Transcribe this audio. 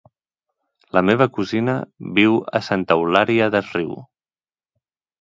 La meva cosina viu a Santa Eulària des Riu.